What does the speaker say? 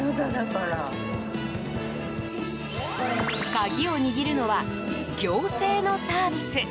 鍵を握るのは行政のサービス。